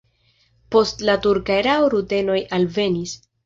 Post la turka erao rutenoj alvenis.